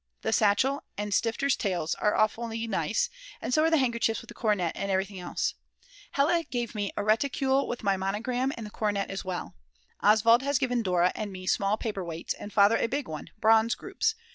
The satchel and Stifter's Tales are awfully nice and so are the handkerchiefs with the coronet and everything else. Hella gave me a reticule with my monogram and the coronet as well. Oswald has given Dora and me small paperweights and Father a big one, bronze groups.